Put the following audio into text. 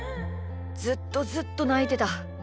ずっとずっとないてた。